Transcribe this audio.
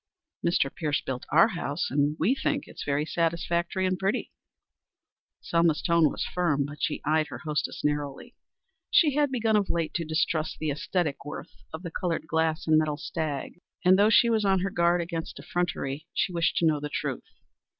"Mr. Pierce built our house, and we think it very satisfactory and pretty." Selma's tone was firm, but she eyed her hostess narrowly. She had begun of late to distrust the æsthetic worth of the colored glass and metal stag, and, though she was on her guard against effrontery, she wished to know the truth.